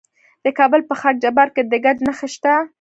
د کابل په خاک جبار کې د ګچ نښې شته.